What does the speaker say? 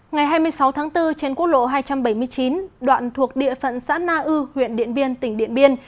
ngày hai mươi sáu tháng bốn trên quốc lộ hai trăm bảy mươi chín đoạn thuộc địa phận xã na ư huyện điện biên tỉnh điện biên